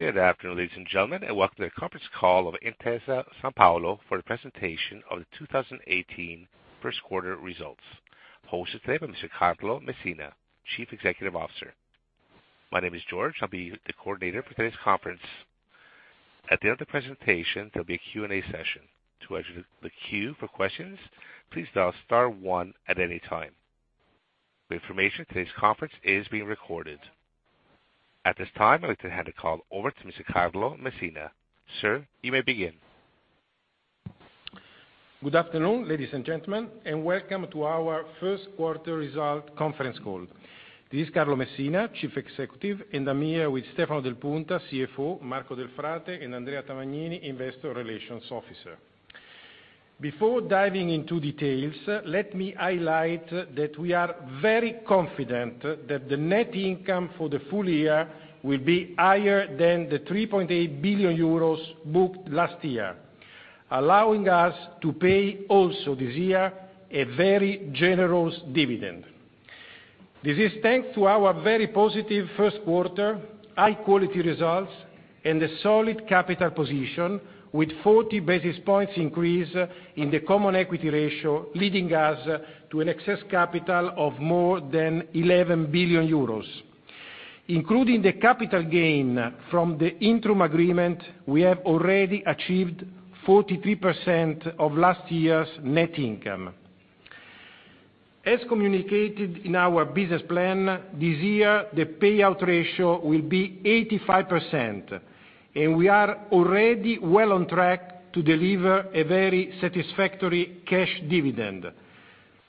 Good afternoon, ladies and gentlemen, welcome to the conference call of Intesa Sanpaolo for the presentation of the 2018 first quarter results, hosted today by Mr. Carlo Messina, Chief Executive Officer. My name is George, I will be the coordinator for today's conference. At the end of the presentation, there will be a Q&A session. To enter the queue for questions, please dial star one at any time. For information, today's conference is being recorded. At this time, I would like to hand the call over to Mr. Carlo Messina. Sir, you may begin. Good afternoon, ladies and gentlemen, welcome to our first quarter result conference call. This is Carlo Messina, Chief Executive, I am here with Stefano Del Punta, CFO, Marco Delfrate, and Andrea Tamagnini, Investor Relations Officer. Before diving into details, let me highlight that we are very confident that the net income for the full year will be higher than the 3.8 billion euros booked last year, allowing us to pay also this year a very generous dividend. This is thanks to our very positive first quarter, high-quality results, and a solid capital position, with 40 basis points increase in the common equity ratio, leading us to an excess capital of more than 11 billion euros. Including the capital gain from the interim agreement, we have already achieved 43% of last year's net income. As communicated in our business plan, this year, the payout ratio will be 85%, we are already well on track to deliver a very satisfactory cash dividend.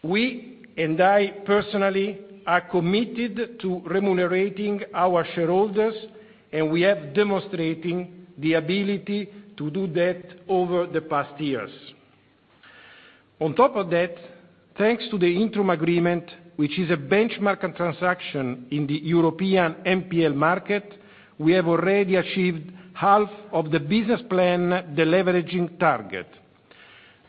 We, I personally, are committed to remunerating our shareholders, we have demonstrated the ability to do that over the past years. On top of that, thanks to the interim agreement, which is a benchmark transaction in the European NPL market, we have already achieved half of the business plan deleveraging target.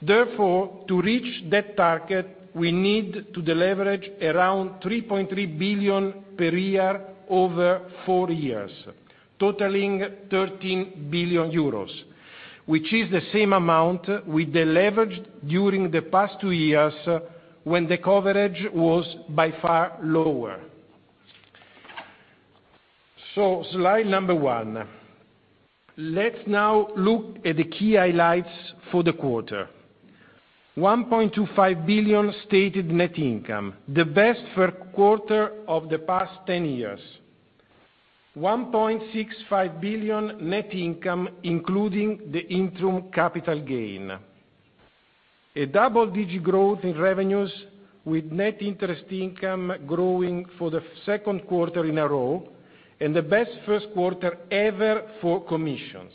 To reach that target, we need to deleverage around 3.3 billion per year over four years, totaling 13 billion euros, which is the same amount we deleveraged during the past two years when the coverage was by far lower. Slide one. Let us now look at the key highlights for the quarter. 1.25 billion stated net income, the best first quarter of the past 10 years. 1.65 billion net income, including the interim capital gain. A double-digit growth in revenues, with net interest income growing for the second quarter in a row, the best first quarter ever for commissions.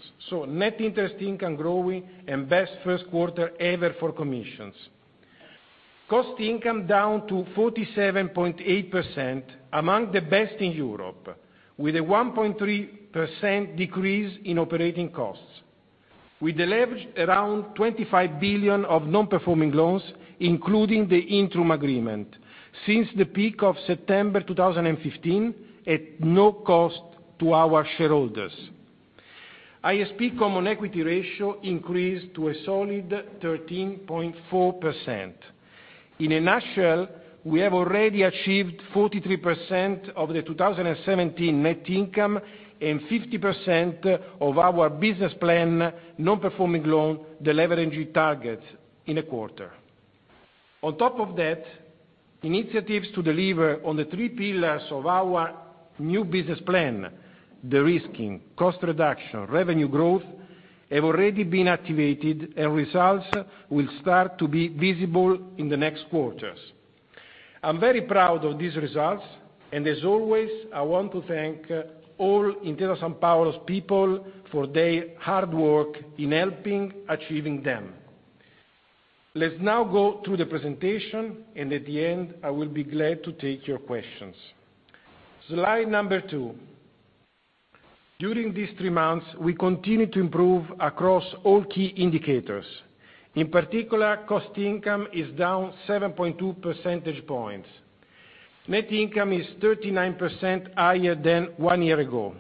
Net interest income growing, best first quarter ever for commissions. Cost income down to 47.8%, among the best in Europe, with a 1.3% decrease in operating costs. We deleveraged around 25 billion of non-performing loans, including the interim agreement, since the peak of September 2015, at no cost to our shareholders. ISP common equity ratio increased to a solid 13.4%. In a nutshell, we have already achieved 43% of the 2017 net income and 50% of our business plan non-performing loan deleveraging targets in a quarter. On top of that, initiatives to deliver on the three pillars of our new business plan, de-risking, cost reduction, revenue growth, have already been activated, and results will start to be visible in the next quarters. I'm very proud of these results, and as always, I want to thank all Intesa Sanpaolo's people for their hard work in helping achieving them. Let's now go to the presentation, and at the end, I will be glad to take your questions. Slide number two. During these three months, we continued to improve across all key indicators. In particular, cost income is down 7.2 percentage points. Net income is 39% higher than one year ago.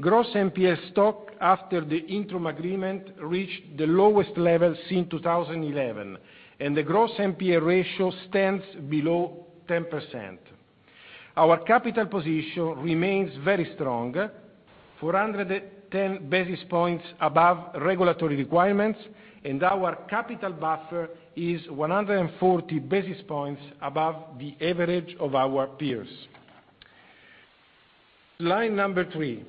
Gross NPL stock after the interim agreement reached the lowest level since 2011, and the gross NPL ratio stands below 10%. Our capital position remains very strong, 410 basis points above regulatory requirements, and our capital buffer is 140 basis points above the average of our peers. Slide number three.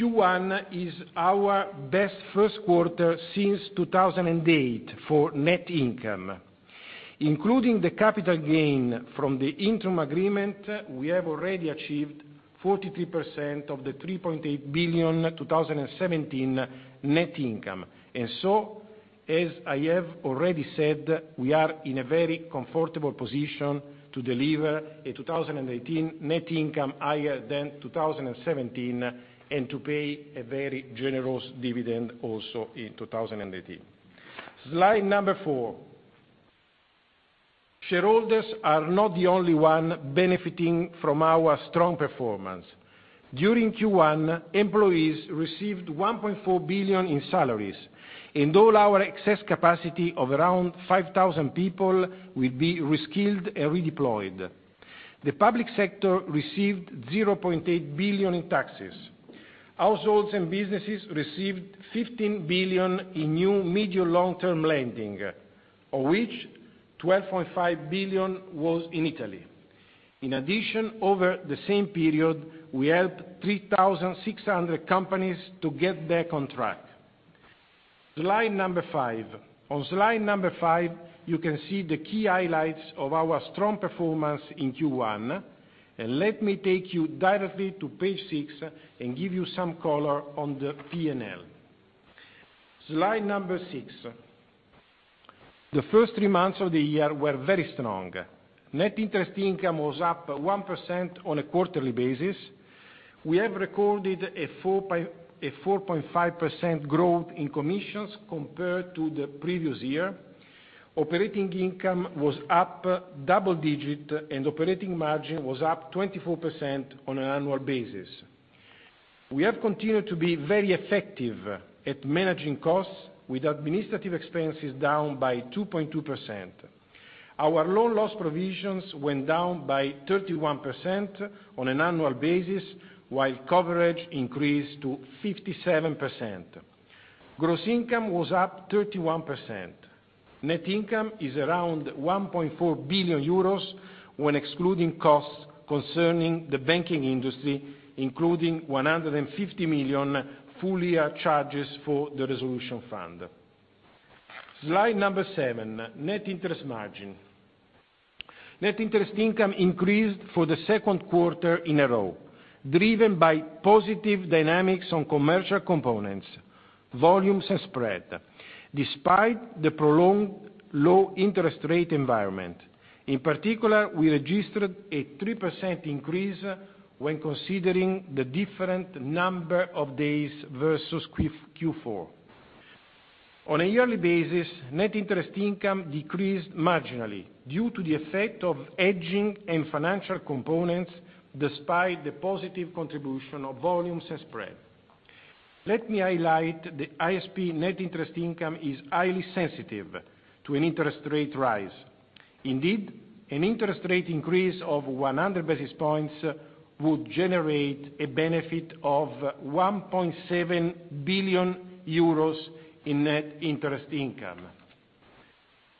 Q1 is our best first quarter since 2008 for net income. Including the capital gain from the interim agreement, we have already achieved 43% of the 3.8 billion 2017 net income. As I have already said, we are in a very comfortable position to deliver a 2018 net income higher than 2017 and to pay a very generous dividend also in 2018. Slide number four. Shareholders are not the only one benefiting from our strong performance. During Q1, employees received 1.4 billion in salaries, and all our excess capacity of around 5,000 people will be reskilled and redeployed. The public sector received 0.8 billion in taxes. Households and businesses received 15 billion in new medium long-term lending, of which 12.5 billion was in Italy. In addition, over the same period, we helped 3,600 companies to get back on track. Slide number five. On slide number five, you can see the key highlights of our strong performance in Q1, and let me take you directly to page six and give you some color on the P&L. Slide number six. The first three months of the year were very strong. Net interest income was up 1% on a quarterly basis. We have recorded a 4.5% growth in commissions compared to the previous year. Operating income was up double digit, and operating margin was up 24% on an annual basis. We have continued to be very effective at managing costs, with administrative expenses down by 2.2%. Our loan loss provisions went down by 31% on an annual basis, while coverage increased to 57%. Gross income was up 31%. Net income is around 1.4 billion euros when excluding costs concerning the banking industry, including 150 million full-year charges for the resolution fund. Slide number seven, net interest margin. Net interest income increased for the second quarter in a row, driven by positive dynamics on commercial components, volumes, and spread, despite the prolonged low interest rate environment. In particular, we registered a 3% increase when considering the different number of days versus Q4. On a yearly basis, net interest income decreased marginally due to the effect of aging and financial components, despite the positive contribution of volumes and spread. Let me highlight the ISP net interest income is highly sensitive to an interest rate rise. Indeed, an interest rate increase of 100 basis points would generate a benefit of 1.7 billion euros in net interest income.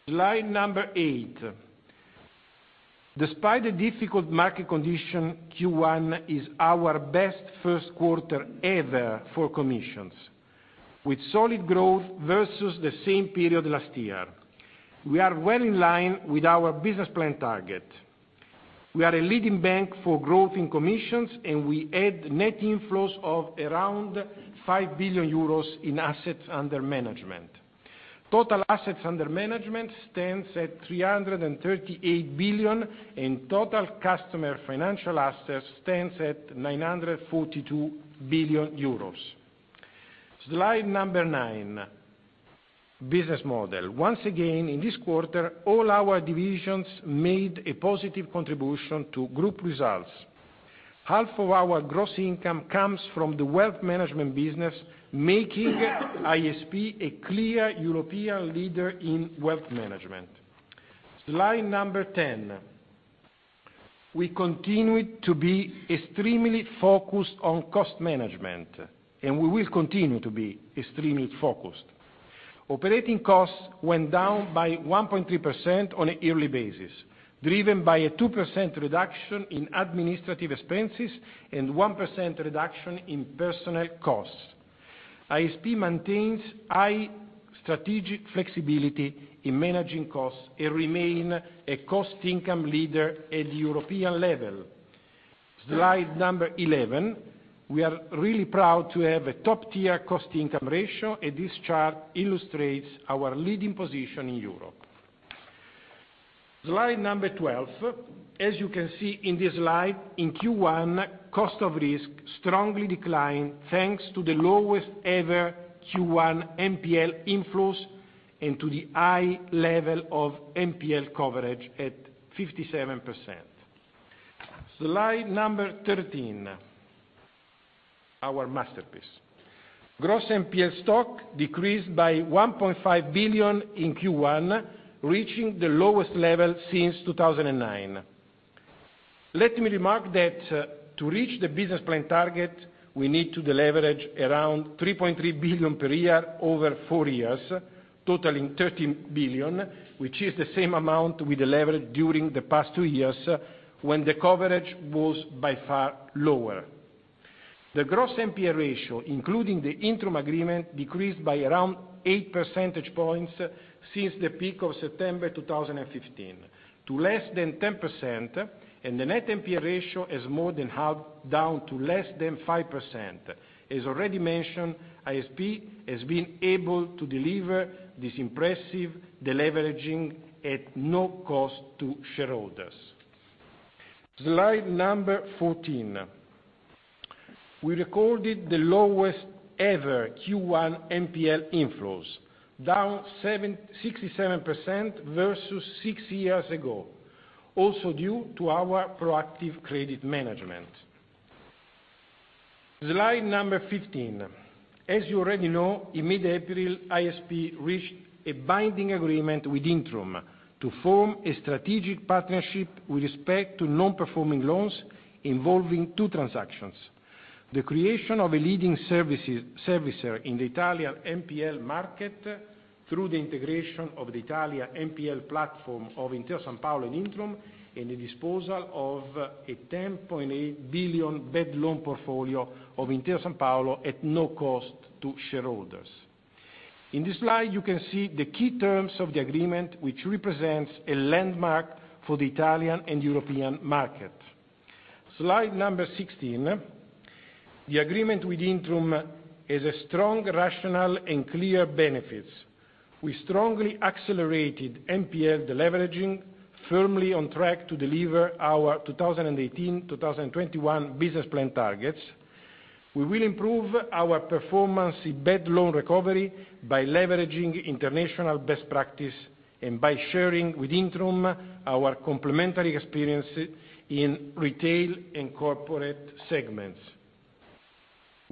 Slide number eight. Despite the difficult market condition, Q1 is our best first quarter ever for commissions, with solid growth versus the same period last year. We are well in line with our business plan target. We are a leading bank for growth in commissions, and we had net inflows of around 5 billion euros in assets under management. Total assets under management stands at 338 billion, and total customer financial assets stands at 942 billion euros. Slide number nine, business model. Once again, in this quarter, all our divisions made a positive contribution to group results. Half of our gross income comes from the wealth management business, making ISP a clear European leader in wealth management. Slide number 10. We continued to be extremely focused on cost management, we will continue to be extremely focused. Operating costs went down by 1.3% on a yearly basis, driven by a 2% reduction in administrative expenses and 1% reduction in personnel costs. ISP maintains high strategic flexibility in managing costs and remains a cost income leader at the European level. Slide number 11. We are really proud to have a top-tier cost income ratio, and this chart illustrates our leading position in Europe. Slide number 12. As you can see in this slide, in Q1, cost of risk strongly declined, thanks to the lowest-ever Q1 NPL inflows and to the high level of NPL coverage at 57%. Slide number 13, our masterpiece. Gross NPL stock decreased by 1.5 billion in Q1, reaching the lowest level since 2009. Let me remark that to reach the business plan target, we need to deleverage around 3.3 billion per year over four years, totaling 13 billion, which is the same amount we deleveraged during the past two years when the coverage was by far lower. The gross NPL ratio, including the interim agreement, decreased by around eight percentage points since the peak of September 2015 to less than 10%, and the net NPL ratio has more than halved, down to less than 5%. As already mentioned, ISP has been able to deliver this impressive deleveraging at no cost to shareholders. Slide number 14. We recorded the lowest ever Q1 NPL inflows, down 67% versus six years ago, also due to our proactive credit management. Slide number 15. As you already know, in mid-April, ISP reached a binding agreement with Intrum to form a strategic partnership with respect to non-performing loans involving two transactions. The creation of a leading servicer in the Italian NPL market through the integration of the Italian NPL platform of Intesa Sanpaolo and Intrum, and the disposal of a 10.8 billion bad loan portfolio of Intesa Sanpaolo at no cost to shareholders. In this slide, you can see the key terms of the agreement, which represents a landmark for the Italian and European market. Slide number 16. The agreement with Intrum is a strong, rational, and clear benefits. We strongly accelerated NPL deleveraging, firmly on track to deliver our 2018-2021 business plan targets. We will improve our performance in bad loan recovery by leveraging international best practice and by sharing with Intrum our complementary experience in retail and corporate segments.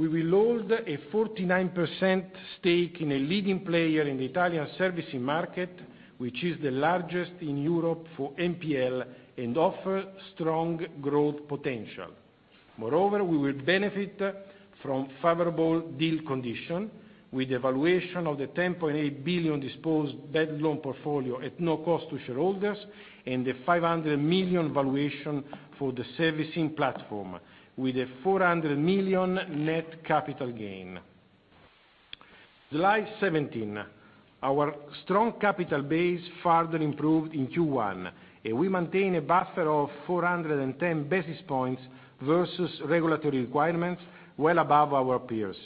We will hold a 49% stake in a leading player in the Italian servicing market, which is the largest in Europe for NPL, and offer strong growth potential. We will benefit from favorable deal conditions, with the valuation of the 10.8 billion disposed bad loan portfolio at no cost to shareholders, and the 500 million valuation for the servicing platform, with a 400 million net capital gain. Slide 17. Our strong capital base further improved in Q1. We maintain a buffer of 410 basis points versus regulatory requirements, well above our peers.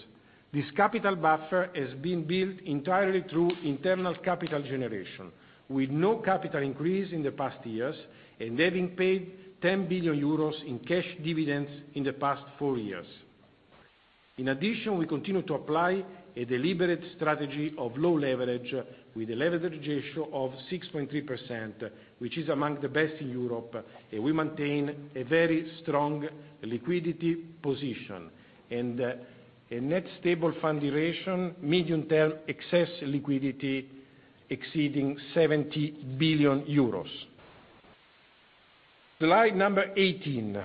This capital buffer has been built entirely through internal capital generation, with no capital increase in the past years, and having paid 10 billion euros in cash dividends in the past four years. We continue to apply a deliberate strategy of low leverage with a leverage ratio of 6.3%, which is among the best in Europe. We maintain a very strong liquidity position and a net stable fund duration medium-term excess liquidity exceeding EUR 70 billion. Slide 18.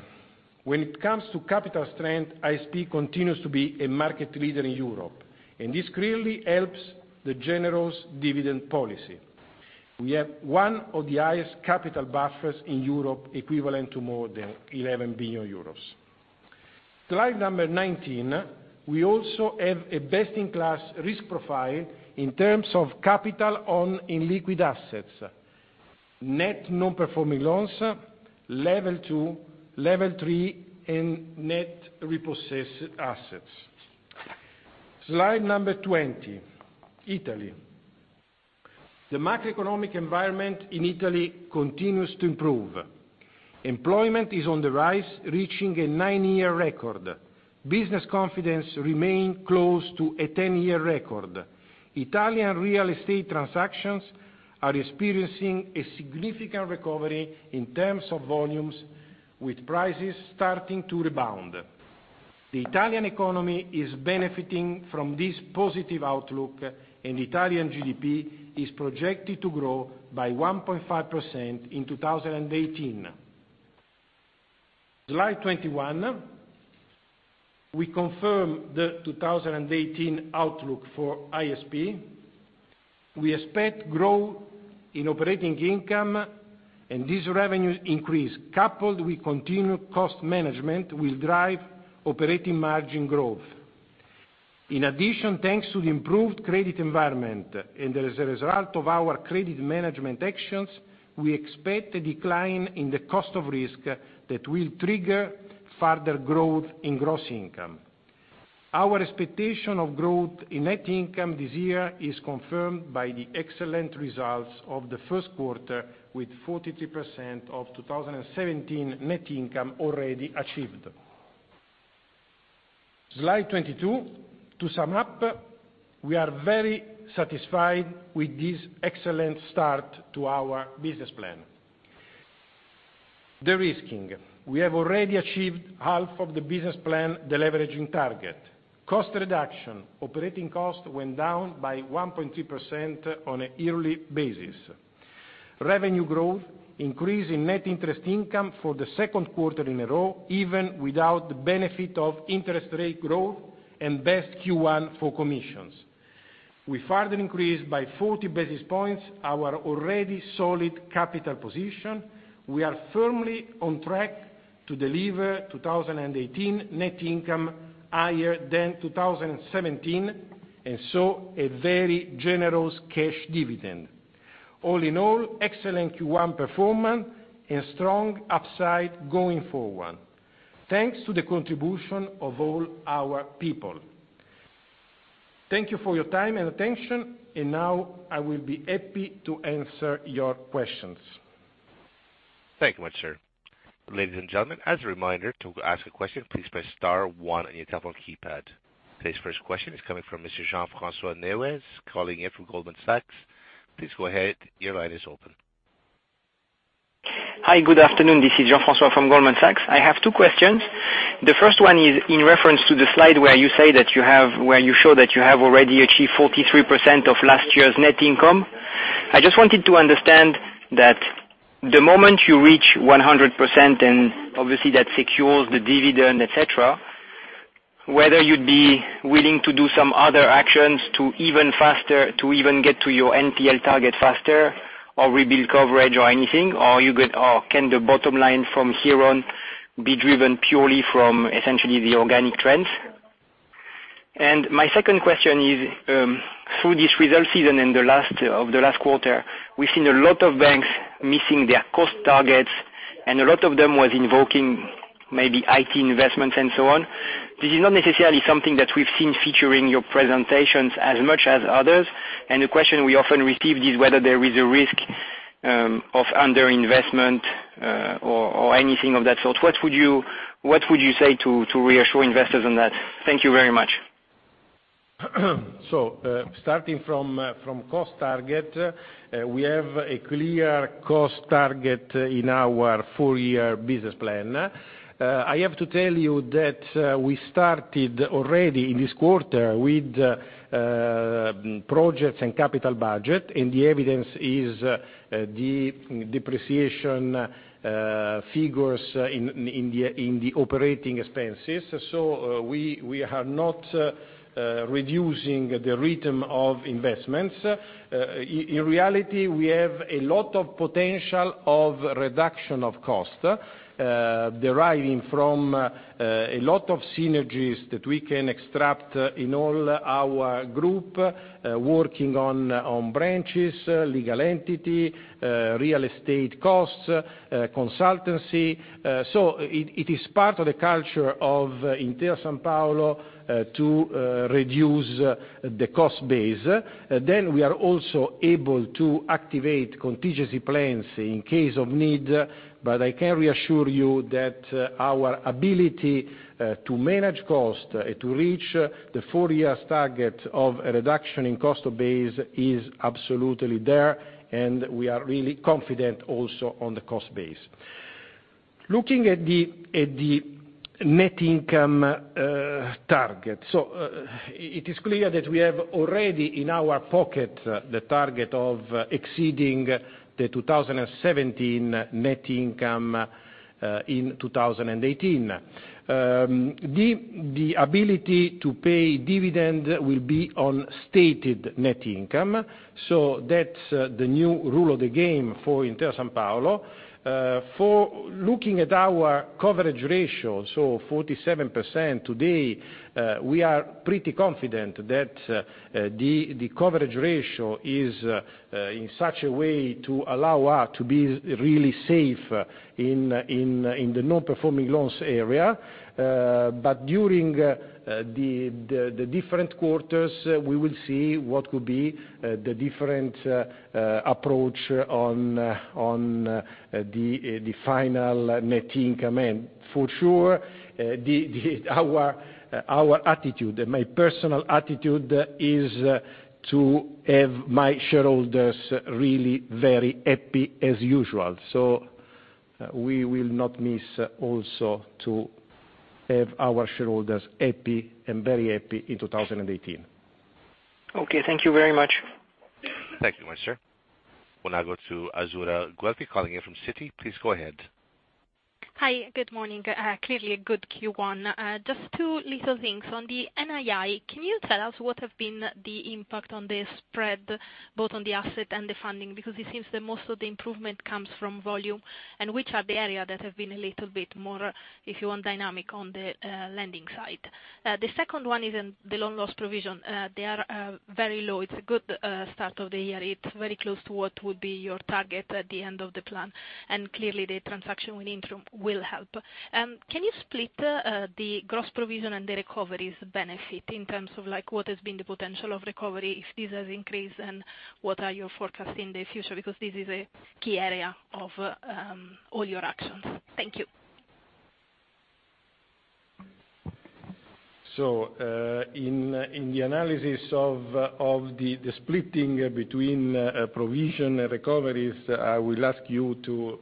When it comes to capital strength, ISP continues to be a market leader in Europe. This clearly helps the generous dividend policy. We have one of the highest capital buffers in Europe, equivalent to more than 11 billion euros. Slide 19. We also have a best-in-class risk profile in terms of capital on illiquid assets, net non-performing loans, level 2, level 3, and net repossessed assets. Slide 20. Italy. The macroeconomic environment in Italy continues to improve. Employment is on the rise, reaching a nine-year record. Business confidence remains close to a 10-year record. Italian real estate transactions are experiencing a significant recovery in terms of volumes, with prices starting to rebound. The Italian economy is benefiting from this positive outlook. Italian GDP is projected to grow by 1.5% in 2018. Slide 21. We confirm the 2018 outlook for ISP. We expect growth in operating income, and this revenue increase, coupled with continued cost management, will drive operating margin growth. Thanks to the improved credit environment and as a result of our credit management actions, we expect a decline in the cost of risk that will trigger further growth in gross income. Our expectation of growth in net income this year is confirmed by the excellent results of the first quarter, with 43% of 2017 net income already achieved. Slide 22. To sum up, we are very satisfied with this excellent start to our business plan. De-risking. We have already achieved half of the business plan deleveraging target. Cost reduction. Operating costs went down by 1.3% on a yearly basis. Revenue growth. Increase in net interest income for the second quarter in a row, even without the benefit of interest rate growth. Best Q1 for commissions. We further increased by 40 basis points our already solid capital position. We are firmly on track to deliver 2018 net income higher than 2017. A very generous cash dividend. Excellent Q1 performance and strong upside going forward, thanks to the contribution of all our people. Thank you for your time and attention. Now I will be happy to answer your questions. Thank you much, sir. Ladies and gentlemen, as a reminder, to ask a question, please press star one on your telephone keypad. Today's first question is coming from Mr. Jean-François Neuez, calling in from Goldman Sachs. Please go ahead. Your line is open. Hi. Good afternoon. This is Jean-François from Goldman Sachs. I have two questions. The first one is in reference to the slide where you show that you have already achieved 43% of last year's net income. I just wanted to understand that the moment you reach 100%, and obviously that secures the dividend, et cetera, whether you'd be willing to do some other actions to even get to your NPL target faster or rebuild coverage or anything? Can the bottom line from here on be driven purely from essentially the organic trends? My second question is, through this result season and of the last quarter, we've seen a lot of banks missing their cost targets, and a lot of them was invoking maybe IT investments and so on. This is not necessarily something that we've seen featuring your presentations as much as others, and the question we often receive is whether there is a risk of underinvestment or anything of that sort. What would you say to reassure investors on that? Thank you very much. Starting from cost target, we have a clear cost target in our full year business plan. I have to tell you that we started already in this quarter with projects and capital budget, and the evidence is the depreciation figures in the operating expenses. We are not reducing the rhythm of investments. In reality, we have a lot of potential of reduction of cost, deriving from a lot of synergies that we can extract in all our group, working on branches, legal entity, real estate costs, consultancy. It is part of the culture of Intesa Sanpaolo to reduce the cost base. We are also able to activate contingency plans in case of need, but I can reassure you that our ability to manage cost, to reach the four years target of a reduction in cost of base is absolutely there, and we are really confident also on the cost base. Looking at the net income target. It is clear that we have already in our pocket the target of exceeding the 2017 net income in 2018. The ability to pay dividend will be on stated net income. That's the new rule of the game for Intesa Sanpaolo. For looking at our coverage ratio, 47% today, we are pretty confident that the coverage ratio is in such a way to allow us to be really safe in the non-performing loans area. During the different quarters, we will see what could be the different approach on the final net income. For sure, our attitude, my personal attitude is to have my shareholders really very happy as usual. We will not miss also to have our shareholders happy and very happy in 2018. Okay. Thank you very much. Thank you, sir. We'll now go to Azzurra Guelfi calling in from Citi. Please go ahead. Hi. Good morning. Clearly a good Q1. Just two little things. On the NII, can you tell us what have been the impact on the spread, both on the asset and the funding? It seems that most of the improvement comes from volume. Which are the area that have been a little bit more, if you want, dynamic on the lending side? The second one is in the loan loss provision. They are very low. It's a good start of the year. It's very close to what would be your target at the end of the plan, and clearly the transaction with Intrum will help. Can you split the gross provision and the recoveries benefit in terms of what has been the potential of recovery, if this has increased, and what are your forecast in the future? This is a key area of all your actions. Thank you. In the analysis of the splitting between provision recoveries, I will ask you to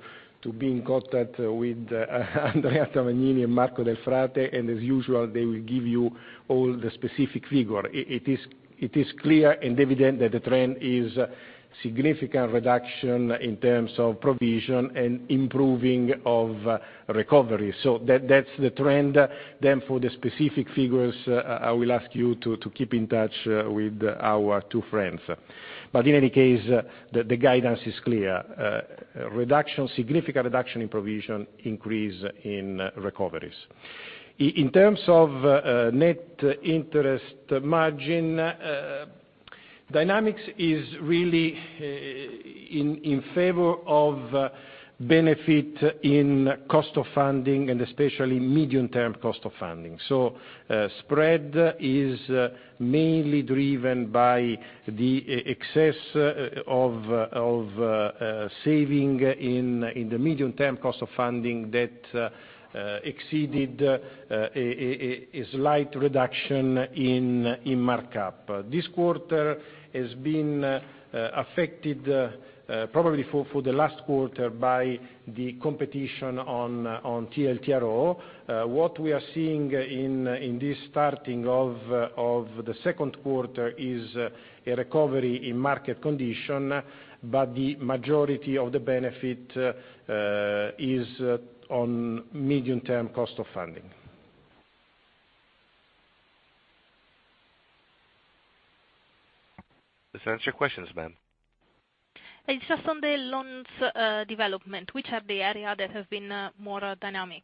be in contact with Andrea Tamagnini and Marco Delfrate, as usual, they will give you all the specific figure. It is clear and evident that the trend is significant reduction in terms of provision and improving of recovery. That's the trend. For the specific figures, I will ask you to keep in touch with our two friends. In any case, the guidance is clear. Significant reduction in provision, increase in recoveries. In terms of net interest margin, Dynamics is really in favor of benefit in cost of funding and especially medium-term cost of funding. Spread is mainly driven by the excess of saving in the medium term cost of funding that exceeded a slight reduction in markup. This quarter has been affected, probably for the last quarter, by the competition on TLTRO. What we are seeing in this starting of the second quarter is a recovery in market condition, the majority of the benefit is on medium-term cost of funding. Does that answer your questions, ma'am? It's just on the loans development, which are the area that have been more dynamic?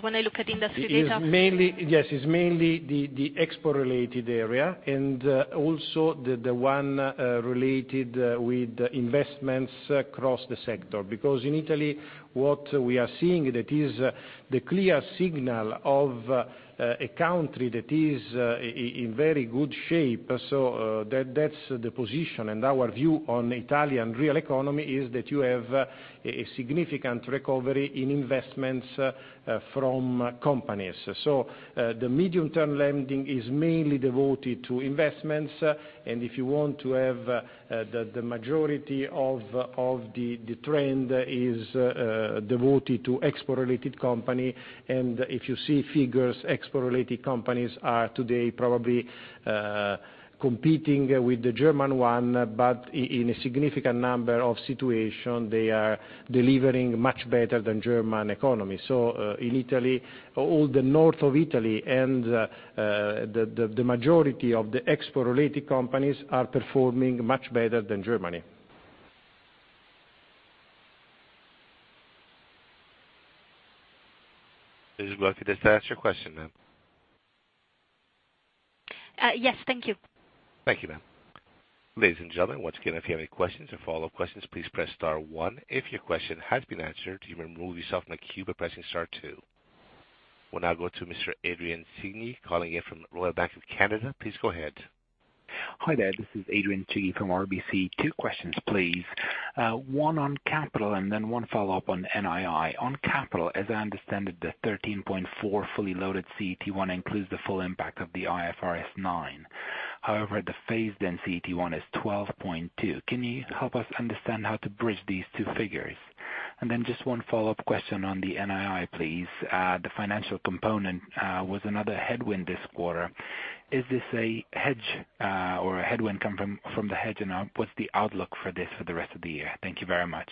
When I look at industry data. Yes, it's mainly the export-related area and also the one related with investments across the sector. In Italy, what we are seeing that is the clear signal of a country that is in very good shape. That's the position, and our view on Italian real economy is that you have a significant recovery in investments from companies. The medium-term lending is mainly devoted to investments, and if you want to have the majority of the trend is devoted to export-related company. If you see figures, export-related companies are today probably competing with the German one, but in a significant number of situation, they are delivering much better than German economy. In Italy, all the North of Italy and the majority of the export-related companies are performing much better than Germany. Does that answer your question, ma'am? Yes. Thank you. Thank you, ma'am. Ladies and gentlemen, once again, if you have any questions or follow-up questions, please press star one. If your question has been answered, you may remove yourself from the queue by pressing star two. We'll now go to Mr. Adrian Siy calling in from Royal Bank of Canada. Please go ahead. Hi there. This is Adrian Siy from RBC. Two questions, please. One on capital and then one follow-up on NII. On capital, as I understand it, the 13.4% fully loaded CET1 includes the full impact of the IFRS 9. However, the phased-in CET1 is 12.2%. Can you help us understand how to bridge these two figures? Just one follow-up question on the NII, please. The financial component was another headwind this quarter. Is this a hedge or a headwind come from the hedge? And what's the outlook for this for the rest of the year? Thank you very much.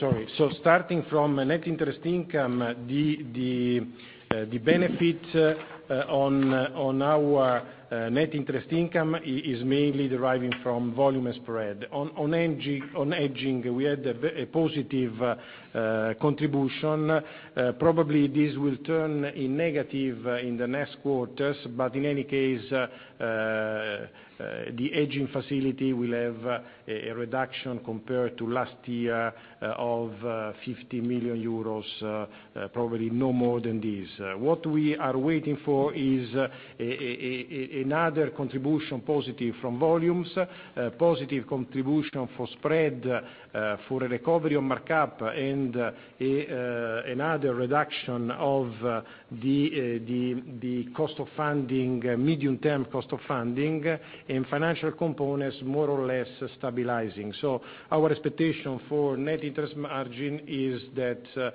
Sorry. Starting from net interest income, the benefit on our net interest income is mainly deriving from volume spread. On hedging, we had a positive contribution. Probably this will turn a negative in the next quarters. In any case, the hedging facility will have a reduction compared to last year of 50 million euros, probably no more than this. What we are waiting for is another contribution positive from volumes, a positive contribution for spread, for a recovery on markup, and another reduction of the medium-term cost of funding, and financial components more or less stabilizing. Our expectation for net interest margin is that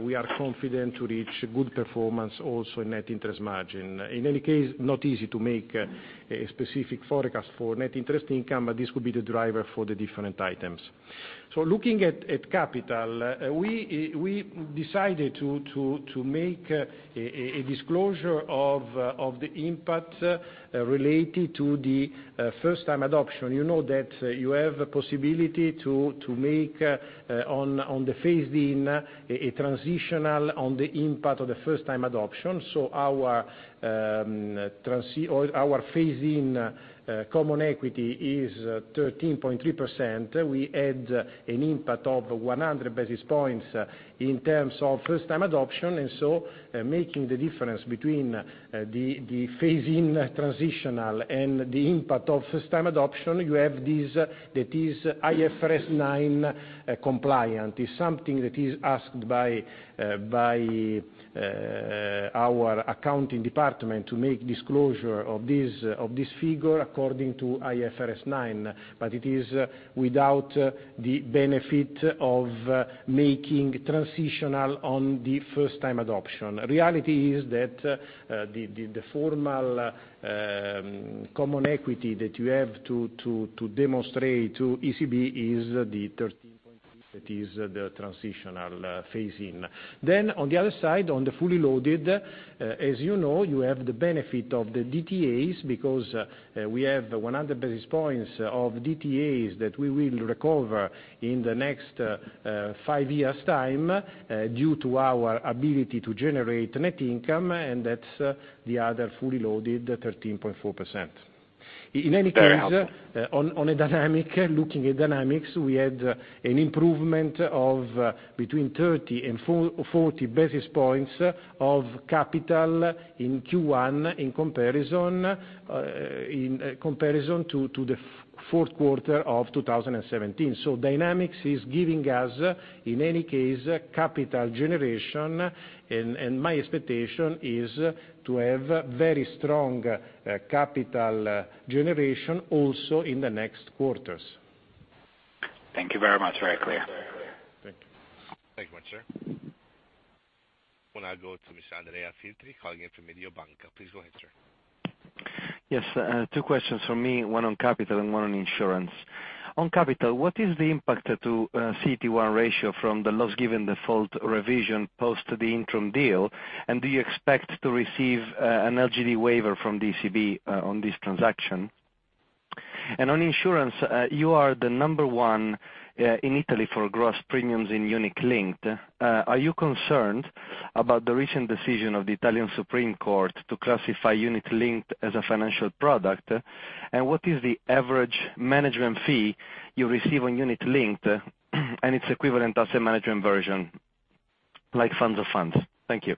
we are confident to reach good performance also in net interest margin. In any case, not easy to make a specific forecast for net interest income, but this could be the driver for the different items. Looking at capital, we decided to make a disclosure of the impact related to the first-time adoption. You know that you have a possibility to make on the phase-in, a transitional on the impact of the first-time adoption. Our phase-in common equity is 13.3%. We add an impact of 100 basis points in terms of first-time adoption, making the difference between the phase-in transitional and the impact of first-time adoption, you have this, that is IFRS 9 compliant. It's something that is asked by our accounting department to make disclosure of this figure according to IFRS 9. It is without the benefit of making transitional on the first-time adoption. Reality is that the formal common equity that you have to demonstrate to ECB is the 13.3%, that is the transitional phase-in. On the other side, on the fully loaded, as you know, you have the benefit of the DTAs because we have 100 basis points of DTAs that we will recover in the next five years' time due to our ability to generate net income, and that's the other fully loaded 13.4%. In any case, on a dynamic, looking at dynamics, we had an improvement of between 30 and 40 basis points of capital in Q1 in comparison to the fourth quarter of 2017. Dynamics is giving us, in any case, capital generation, and my expectation is to have very strong capital generation also in the next quarters. Thank you very much. Very clear. Thank you. Thank you much, sir. I want to now go to Mr. Andrea Filtri calling in from Mediobanca. Please go ahead, sir. Yes. Two questions from me, one on capital and one on insurance. On capital, what is the impact to CET1 ratio from the loss given default revision post the interim deal? Do you expect to receive an LGD waiver from ECB on this transaction? On insurance, you are the number one in Italy for gross premiums in unit-linked. Are you concerned about the recent decision of the Italian Supreme Court to classify unit-linked as a financial product? What is the average management fee you receive on unit-linked and its equivalent asset management version, like fund to funds? Thank you.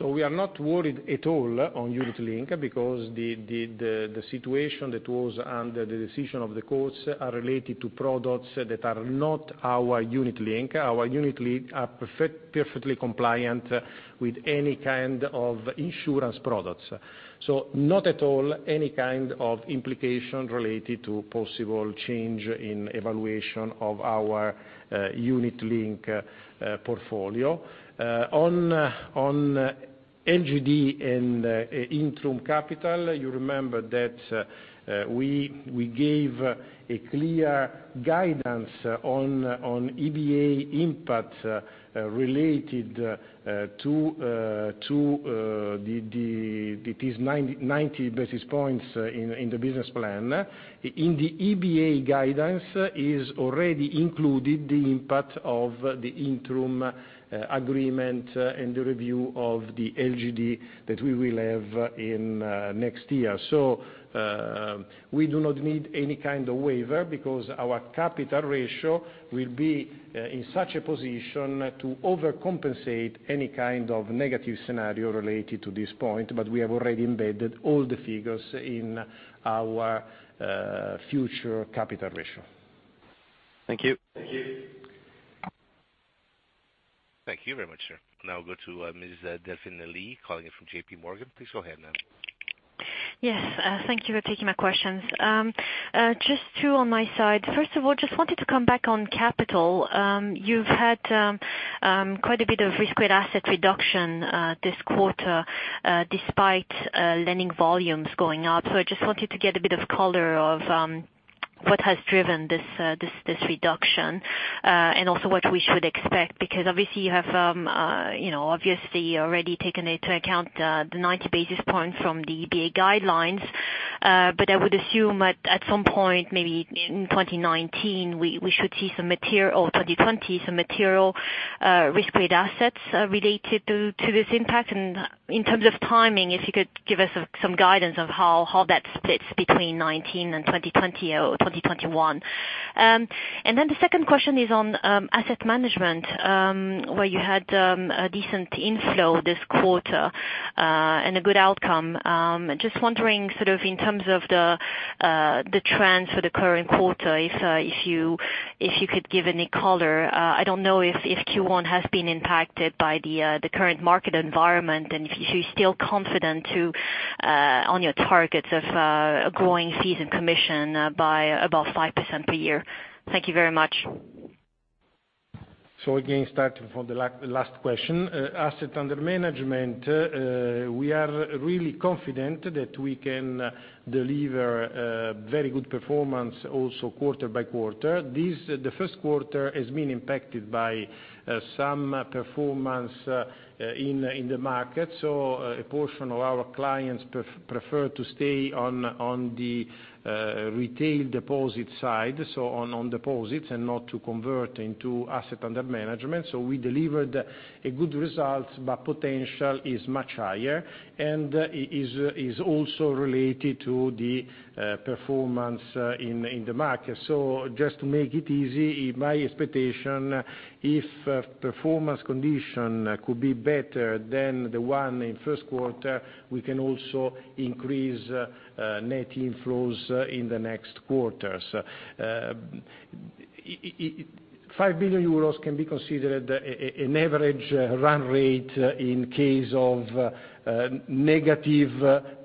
We are not worried at all on unit-linked, because the situation that was under the decision of the courts are related to products that are not our unit-linked. Our unit-linked are perfectly compliant with any kind of insurance products. Not at all any kind of implication related to possible change in evaluation of our unit-linked portfolio. On LGD and interim capital, you remember that we gave a clear guidance on EBA impact related to these 90 basis points in the business plan. In the EBA guidance is already included the impact of the interim agreement and the review of the LGD that we will have in next year. We do not need any kind of waiver because our capital ratio will be in such a position to overcompensate any kind of negative scenario related to this point, but we have already embedded all the figures in our future capital ratio. Thank you. Thank you very much, sir. We'll go to Ms. Delphine Lee calling in from JPMorgan. Please go ahead, ma'am. Yes, thank you for taking my questions. Just two on my side. First of all, just wanted to come back on capital. You've had quite a bit of risk weight asset reduction this quarter despite lending volumes going up. I just wanted to get a bit of color of what has driven this reduction, and also what we should expect, because obviously, you have obviously already taken into account the 90 basis points from the EBA guidelines. I would assume at some point, maybe in 2019 or 2020, we should see some material risk weight assets related to this impact. In terms of timing, if you could give us some guidance of how that splits between 2019 and 2020 or 2021. The second question is on asset management, where you had a decent inflow this quarter, and a good outcome. Just wondering sort of in terms of the trends for the current quarter, if you could give any color. I don't know if Q1 has been impacted by the current market environment, and if you're still confident on your targets of growing fees and commission by above 5% per year. Thank you very much. Again, starting from the last question, assets under management, we are really confident that we can deliver very good performance also quarter by quarter. The First Quarter has been impacted by some performance in the market. A portion of our clients prefer to stay on the retail deposit side, on deposits, and not to convert into assets under management. We delivered a good result, but potential is much higher, and is also related to the performance in the market. Just to make it easy, my expectation, if performance condition could be better than the one in First Quarter, we can also increase net inflows in the next quarters. 5 billion euros can be considered an average run rate in case of negative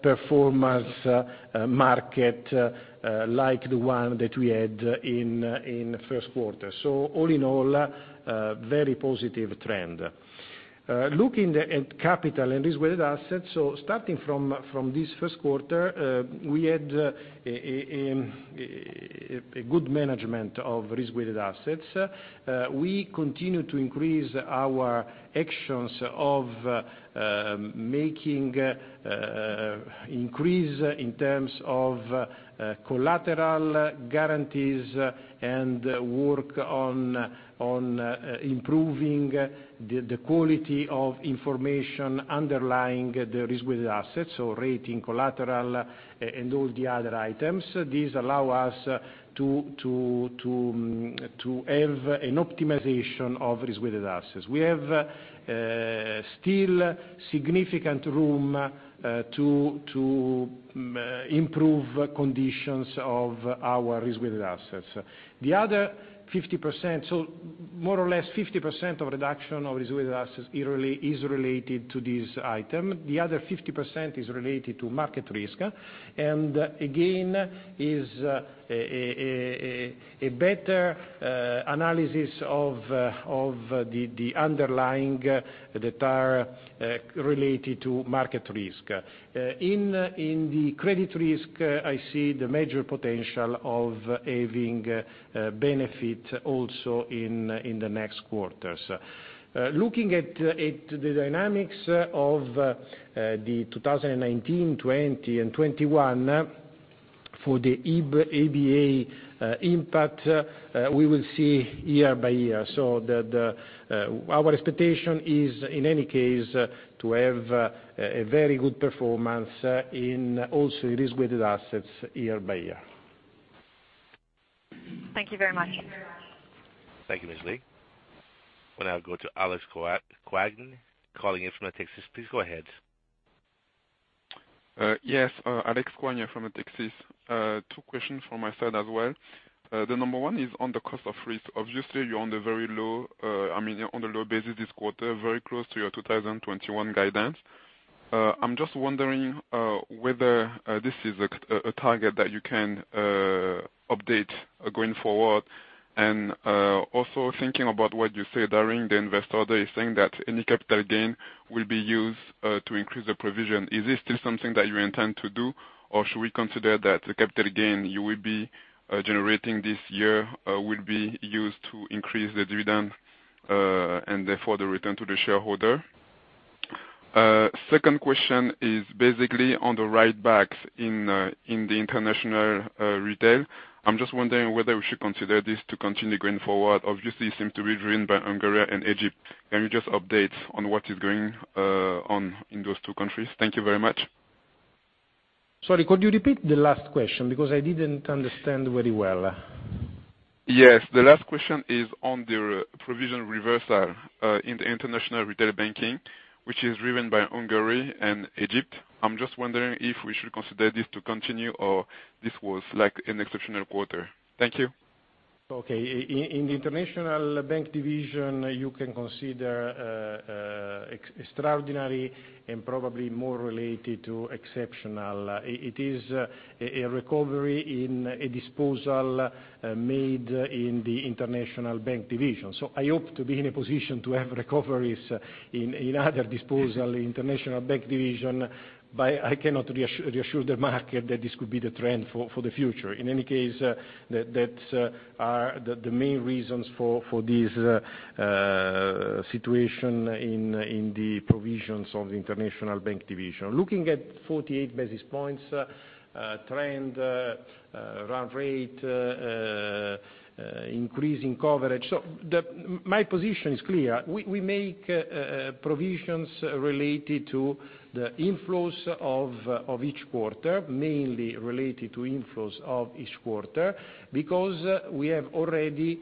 performance market, like the one that we had in First Quarter. All in all, very positive trend. Looking at capital and risk-weighted assets, starting from this First Quarter, we had a good management of risk-weighted assets. We continue to increase our actions of making increase in terms of collateral guarantees and work on improving the quality of information underlying the risk-weighted assets, rating collateral and all the other items. These allow us to have an optimization of risk-weighted assets. We have still significant room to improve conditions of our risk-weighted assets. More or less 50% of reduction of risk-weighted assets is related to this item. The other 50% is related to market risk. Again, is a better analysis of the underlying that are related to market risk. In the credit risk, I see the major potential of having benefit also in the next quarters. Looking at the dynamics of the 2019, 2020, and 2021 for the EBA impact, we will see year by year. Our expectation is, in any case, to have a very good performance in also risk-weighted assets year by year. Thank you very much. Thank you, Ms. Lee. We'll now go to Alex Koagne calling in from Autonomous. Please go ahead. Yes, Alex Koagne from Autonomous. Two questions from my side as well. The number one is on the cost of risk. Obviously, you're on the low basis this quarter, very close to your 2021 guidance. I'm just wondering whether this is a target that you can update going forward, and also thinking about what you said during the investor day, saying that any capital gain will be used to increase the provision. Is this still something that you intend to do, or should we consider that the capital gain you will be generating this year will be used to increase the dividend, and therefore the return to the shareholder? Second question is basically on the write-backs in the international retail. I'm just wondering whether we should consider this to continue going forward. Obviously, it seems to be driven by Hungary and Egypt. Can you just update on what is going on in those two countries? Thank you very much. Sorry, could you repeat the last question, because I didn't understand very well? Yes. The last question is on the provision reversal in the international retail banking, which is driven by Hungary and Egypt. I'm just wondering if we should consider this to continue, or this was an exceptional quarter. Thank you. Okay. In the international bank division, you can consider extraordinary and probably more related to exceptional. It is a recovery in a disposal made in the international bank division. I hope to be in a position to have recoveries in other disposal international bank division, but I cannot reassure the market that this could be the trend for the future. In any case, that are the main reasons for this situation in the provisions of the international bank division. Looking at 48 basis points trend, run rate, increase in coverage. My position is clear. We make provisions related to the inflows of each quarter, mainly related to inflows of each quarter, because we have already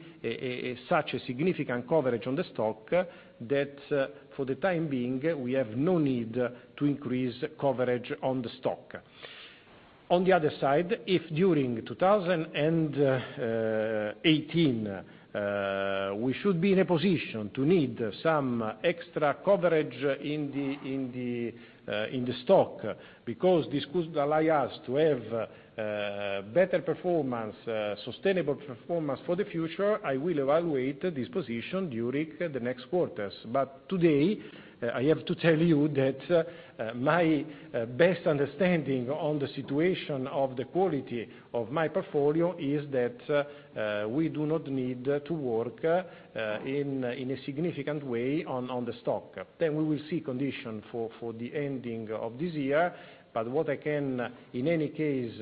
such a significant coverage on the stock that for the time being, we have no need to increase coverage on the stock. On the other side, if during 2018, we should be in a position to need some extra coverage in the stock, because this could allow us to have better performance, sustainable performance for the future, I will evaluate this position during the next quarters. Today, I have to tell you that my best understanding on the situation of the quality of my portfolio is that we do not need to work in a significant way on the stock. We will see condition for the ending of this year. What I can, in any case,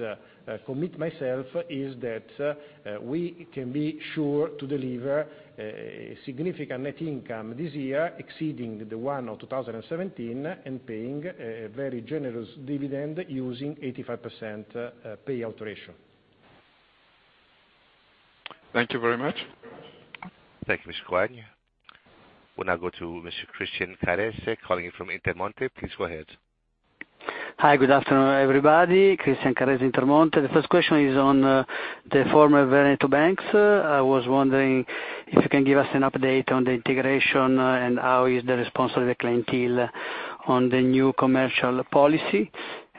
commit myself is that we can be sure to deliver a significant net income this year exceeding the one of 2017, and paying a very generous dividend using 85% payout ratio. Thank you very much. Thank you, Mr. Koagne. We'll now go to Mr. Christian Carrese, calling in from Intermonte. Please go ahead. Hi, good afternoon, everybody. Christian Carrese, Intermonte. The first question is on the former Veneto Banks. I was wondering if you can give us an update on the integration, and how is the response of the clientele on the new commercial policy.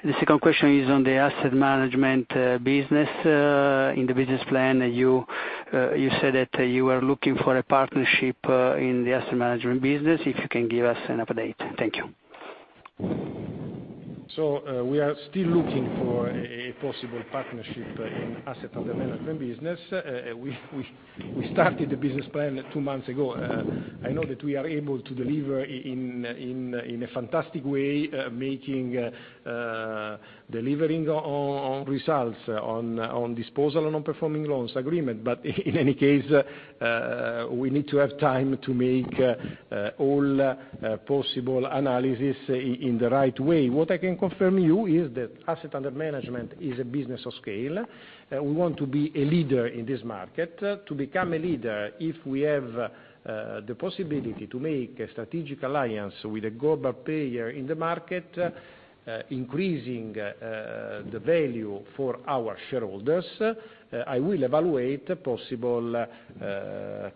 The second question is on the asset management business. In the business plan, you said that you are looking for a partnership in the asset management business. If you can give us an update. Thank you. We are still looking for a possible partnership in asset under management business. We started the business plan two months ago. I know that we are able to deliver in a fantastic way, delivering on results, on disposal on non-performing loans agreement. In any case, we need to have time to make all possible analysis in the right way. What I can confirm you is that asset under management is a business of scale. We want to be a leader in this market. To become a leader, if we have the possibility to make a strategic alliance with a global player in the market, increasing the value for our shareholders, I will evaluate possible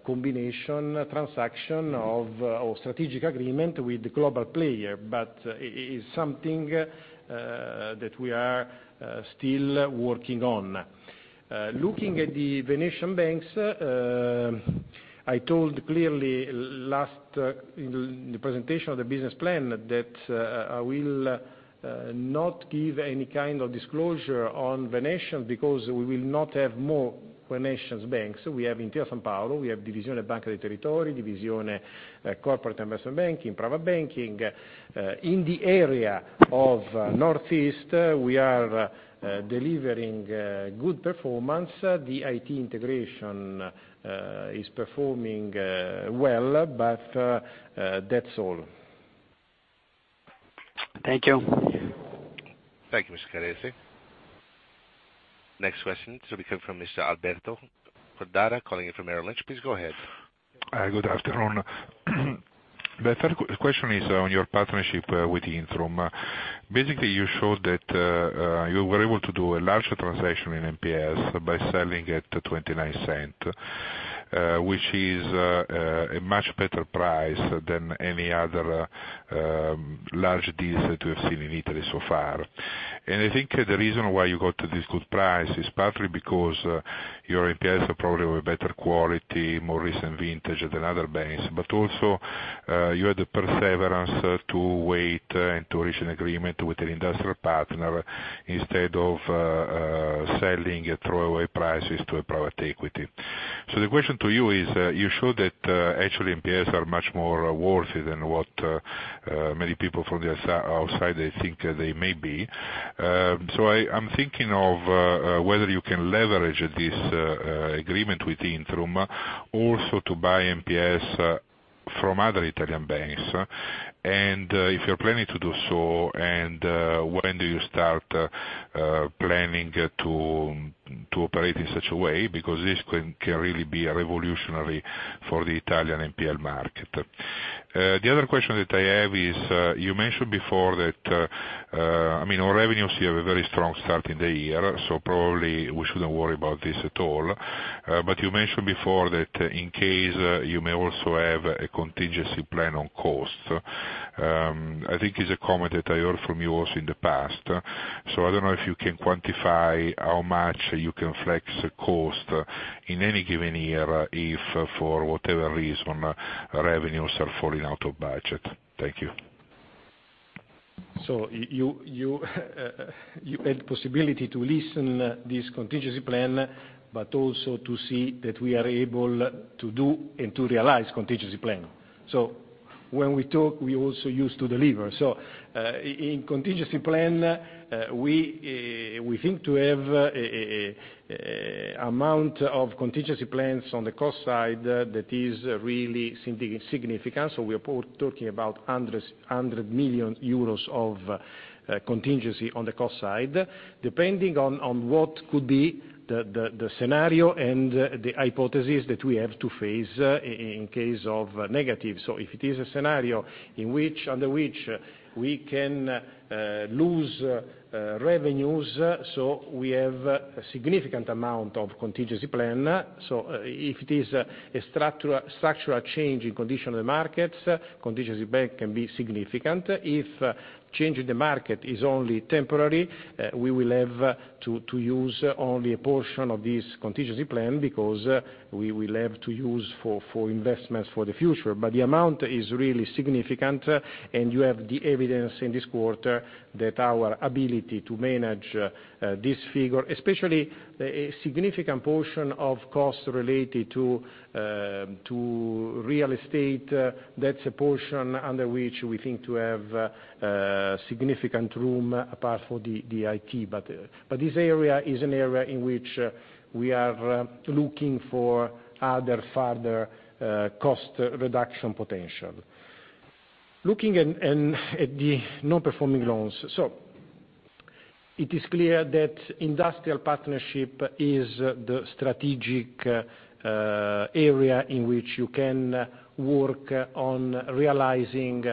combination transaction of strategic agreement with the global player. It's something that we are still working on. Looking at the Veneto banks, I told clearly in the presentation of the business plan that I will not give any kind of disclosure on Veneto, because we will not have more Veneto banks. We have Intesa Sanpaolo, we have Divisione Banca dei Territori, Divisione Corporate Investment Banking, Private Banking. In the area of Northeast, we are delivering good performance. The IT integration is performing well, that's all. Thank you. Thank you, Mr. Carrese. Next question should be coming from Mr. Alberto Cordara, calling in from Merrill Lynch. Please go ahead. Good afternoon. The third question is on your partnership with Intrum. Basically, you showed that you were able to do a large transaction in NPLs by selling at 0.29, which is a much better price than any other large deals that we have seen in Italy so far. I think the reason why you got this good price is partly because your NPLs are probably of a better quality, more recent vintage than other banks, but also you had the perseverance to wait and to reach an agreement with an industrial partner instead of selling at throwaway prices to a private equity. The question to you is: you showed that actually NPLs are much more worthy than what many people from the outside think they may be. I'm thinking of whether you can leverage this agreement with Intrum also to buy NPLs from other Italian banks, and if you're planning to do so, and when do you start planning to operate in such a way, because this can really be revolutionary for the Italian NPL market. The other question that I have is, on revenues, you have a very strong start in the year, so probably we shouldn't worry about this at all. You mentioned before that in case you may also have a contingency plan on cost. I think it's a comment that I heard from you also in the past. I don't know if you can quantify how much you can flex cost in any given year if, for whatever reason, revenues are falling out of budget. Thank you. You had possibility to listen this contingency plan, also to see that we are able to do and to realize contingency plan. When we talk, we also used to deliver. In contingency plan, we think to have amount of contingency plans on the cost side that is really significant. We are talking about 100 million euros of contingency on the cost side, depending on what could be the scenario and the hypothesis that we have to face in case of negative. If it is a scenario under which we can lose revenues, we have a significant amount of contingency plan. If it is a structural change in condition of the markets, contingency plan can be significant. If change in the market is only temporary, we will have to use only a portion of this contingency plan, because we will have to use for investments for the future. The amount is really significant, and you have the evidence in this quarter that our ability to manage this figure, especially a significant portion of cost related to real estate, that's a portion under which we think to have significant room apart for the IT. This area is an area in which we are looking for other further cost reduction potential. Looking at the non-performing loans. It is clear that industrial partnership is the strategic area in which you can work on realizing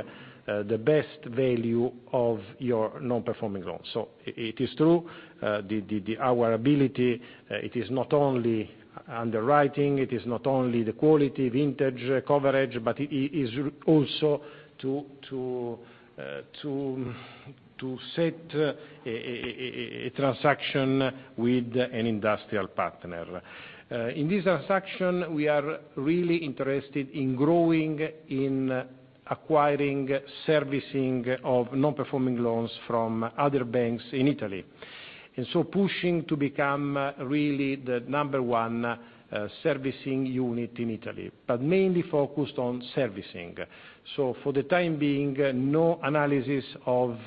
the best value of your non-performing loans. It is true, our ability, it is not only underwriting, it is not only the quality vintage coverage, but it is also to set a transaction with an industrial partner. In this transaction, we are really interested in growing, in acquiring servicing of non-performing loans from other banks in Italy. Pushing to become really the number one servicing unit in Italy, but mainly focused on servicing. For the time being, no analysis of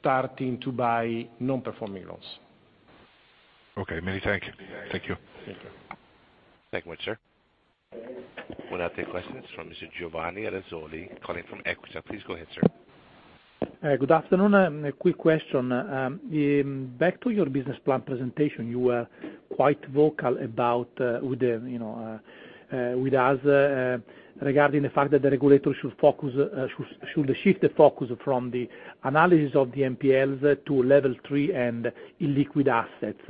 starting to buy non-performing loans. Okay, many thank you. Thank you. Thank you. Thank you very much, sir. We'll now take questions from Mr. Giovanni Razzoli, calling from Equita. Please go ahead, sir. Good afternoon. A quick question. Back to your business plan presentation, you were quite vocal with us regarding the fact that the regulator should shift the focus from the analysis of the NPLs to Level 3 and illiquid assets.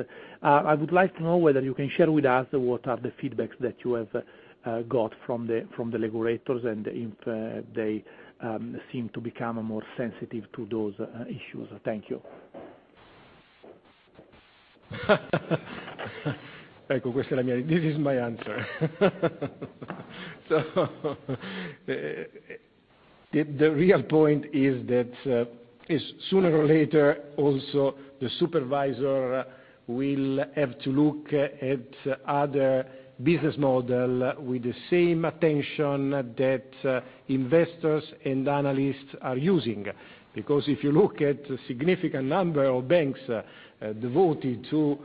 I would like to know whether you can share with us what are the feedbacks that you have got from the regulators, and if they seem to become more sensitive to those issues. Thank you. This is my answer. The real point is that sooner or later, also the supervisor will have to look at other business model with the same attention that investors and analysts are using. If you look at significant number of banks devoted to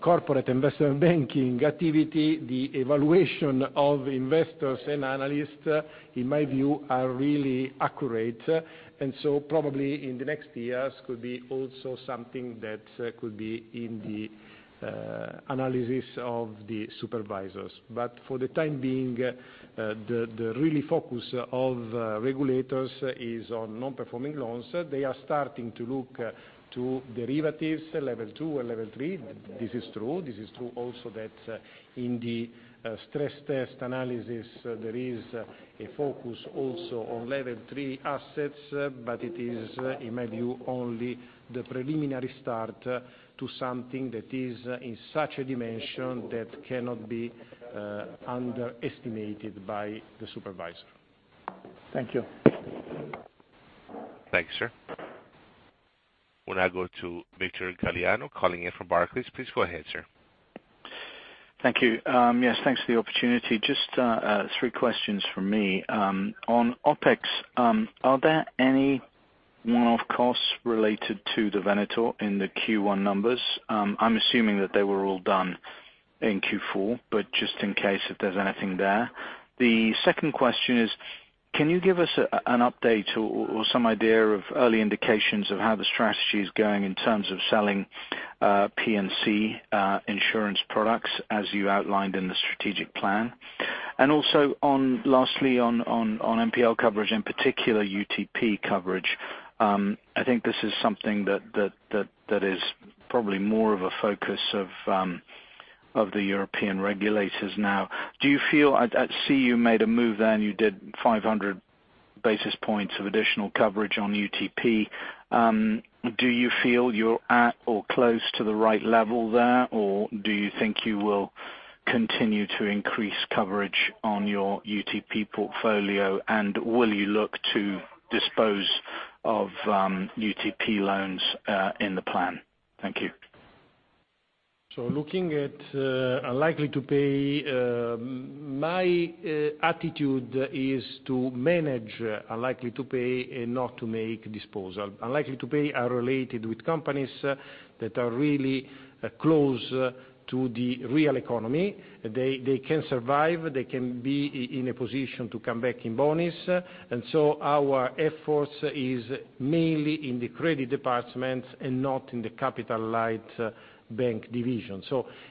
corporate investment banking activity, the evaluation of investors and analysts, in my view, are really accurate, probably in the next years could be also something that could be in the analysis of the supervisors. For the time being, the really focus of regulators is on non-performing loans. They are starting to look to derivatives, Level 2 or Level 3. This is true. This is true also that in the stress test analysis, there is a focus also on Level 3 assets, but it is, in my view, only the preliminary start to something that is in such a dimension that cannot be underestimated by the supervisor. Thank you. Thanks, sir. We'll now go to Victor Galiano calling in from Barclays. Please go ahead, sir. Thank you. Yes, thanks for the opportunity. Just three questions from me. On OpEx, are there any one-off costs related to the Veneto Banca in the Q1 numbers? I'm assuming that they were all done in Q4, but just in case if there's anything there. The second question is, can you give us an update or some idea of early indications of how the strategy is going in terms of selling P&C insurance products, as you outlined in the strategic plan? Also lastly on NPL coverage, in particular UTP coverage, I think this is something that is probably more of a focus of the European regulators now. I see you made a move there and you did 500 basis points of additional coverage on UTP. Do you feel you're at or close to the right level there, or do you think you will continue to increase coverage on your unlikely to pay portfolio, and will you look to dispose of unlikely to pay loans in the plan? Thank you. Looking at likely to pay, my attitude is to manage likely to pay and not to make disposal. Unlikely to pay are related with companies that are really close to the real economy. They can survive, they can be in a position to come back in bonus. Our efforts is mainly in the credit department and not in the Capital Light Bank division.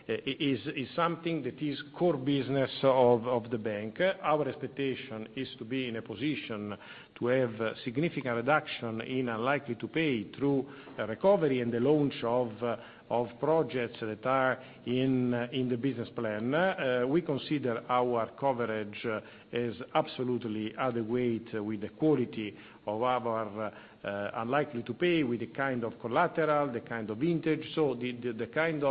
It's something that is core business of the bank. Our expectation is to be in a position to have significant reduction in likely to pay through recovery and the launch of projects that are in the business plan. We consider our coverage is absolutely adequate with the quality of our unlikely to pay, with the kind of collateral, the kind of vintage. The kind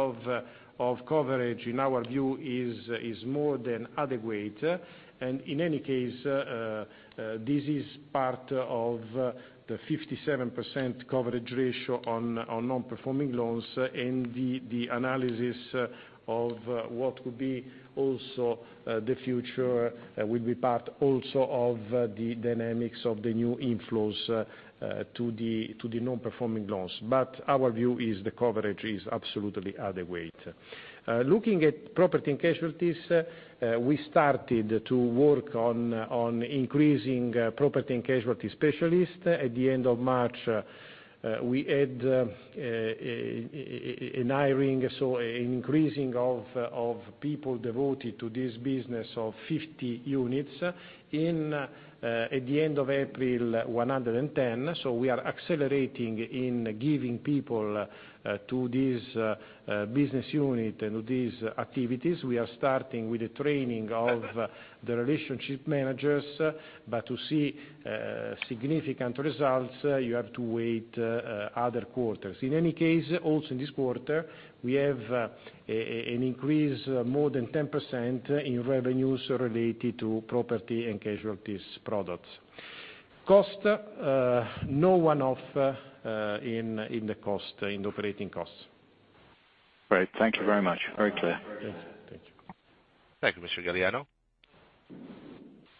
of coverage, in our view, is more than adequate. In any case, this is part of the 57% coverage ratio on non-performing loans, and the analysis of what will be also the future will be part also of the dynamics of the new inflows to the non-performing loans. Our view is the coverage is absolutely adequate. Looking at property and casualty, we started to work on increasing property and casualty specialists. At the end of March, we had an hiring, so increasing of people devoted to this business of 50 units. At the end of April, 110. We are accelerating in giving people to this business unit and these activities, we are starting with the training of the relationship managers, but to see significant results, you have to wait other quarters. In any case, also in this quarter, we have an increase more than 10% in revenues related to property and casualty products. Cost, no one-off in the operating costs. Great. Thank you very much. Very clear. Yes. Thank you. Thank you, Mr. Galiano.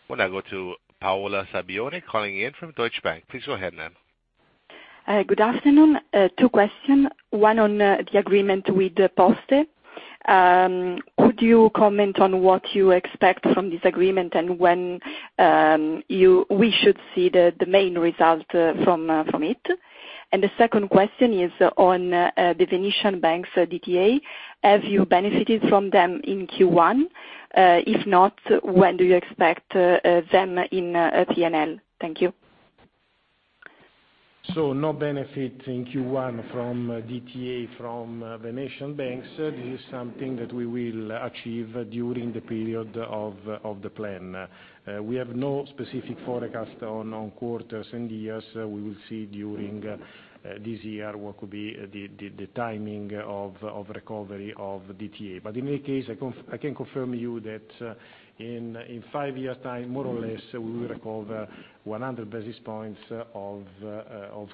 We'll now go to Paola Sabbione calling in from Deutsche Bank. Please go ahead, ma'am. Good afternoon. Two question. One on the agreement with Poste. Could you comment on what you expect from this agreement and when we should see the main result from it? The second question is on the Veneto Banks DTA. Have you benefited from them in Q1? If not, when do you expect them in P&L? Thank you. No benefit in Q1 from DTA from Veneto Banks. This is something that we will achieve during the period of the plan. We have no specific forecast on quarters and years. We will see during this year what could be the timing of recovery of DTA. In any case, I can confirm you that in five years' time, more or less, we will recover 100 basis points of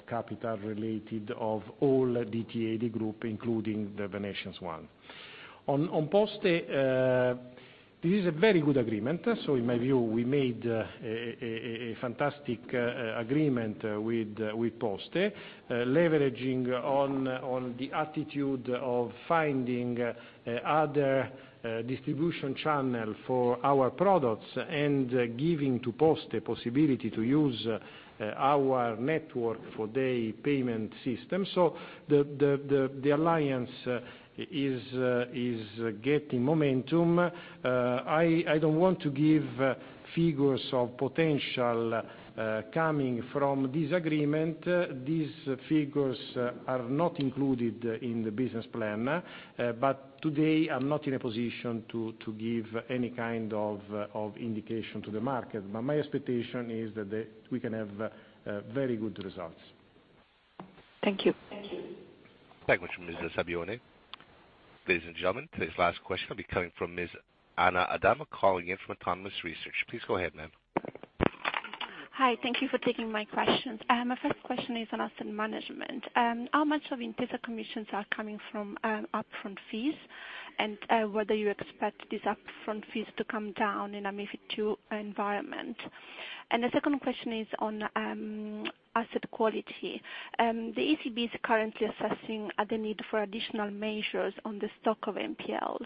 capital related of all DTA, the group, including the Veneto one. On Poste, this is a very good agreement. In my view, we made a fantastic agreement with Poste, leveraging on the attitude of finding other distribution channel for our products and giving to Poste possibility to use our network for their payment system. The alliance is getting momentum. I don't want to give figures of potential coming from this agreement. These figures are not included in the business plan. Today, I'm not in a position to give any kind of indication to the market. My expectation is that we can have very good results. Thank you. Thank you much, Ms. Sabbione. Ladies and gentlemen, today's last question will be coming from Ms. Anna Adami, calling in from Autonomous Research. Please go ahead, ma'am. Hi. Thank you for taking my questions. My first question is on asset management. How much of Intesa commissions are coming from upfront fees? Whether you expect these upfront fees to come down in a MiFID II environment. The second question is on asset quality. The ECB is currently assessing the need for additional measures on the stock of NPLs.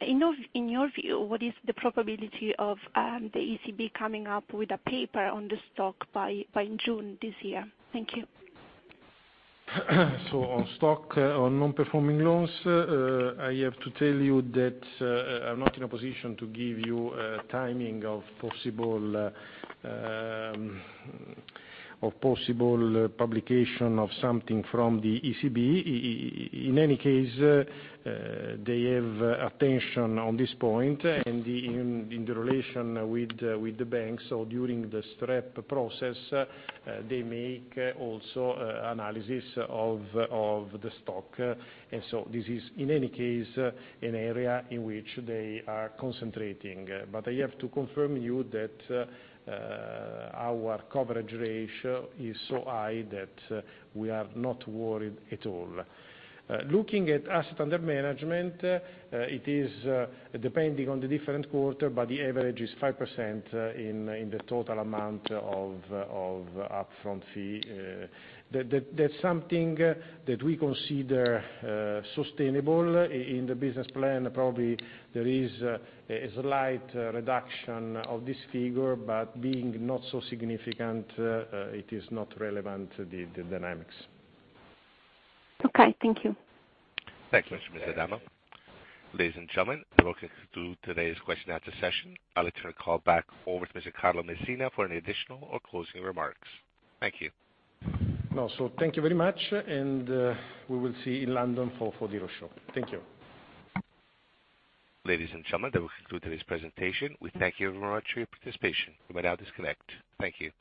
In your view, what is the probability of the ECB coming up with a paper on the stock by June this year? Thank you. On stock, on non-performing loans, I have to tell you that I'm not in a position to give you a timing of possible publication of something from the ECB. In any case, they have attention on this point and in the relation with the banks or during the SREP process, they make also analysis of the stock. This is, in any case, an area in which they are concentrating. I have to confirm you that our coverage ratio is so high that we are not worried at all. Looking at asset under management, it is depending on the different quarter, but the average is 5% in the total amount of upfront fee. That's something that we consider sustainable. In the business plan, probably there is a slight reduction of this figure, but being not so significant, it is not relevant to the dynamics. Okay. Thank you. Thank you, Ms. Adami. Ladies and gentlemen, we will conclude today's question and answer session. I'll let you call back over to Mr. Carlo Messina for any additional or closing remarks. Thank you. Thank you very much, and we will see in London for the road show. Thank you. Ladies and gentlemen, that will conclude today's presentation. We thank you very much for your participation. You may now disconnect. Thank you.